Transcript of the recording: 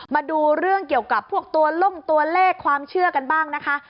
มาดูเรื่องเกี่ยวกับพวกตัวลงตัวเลขความเชื่อกันบ้างนะคะ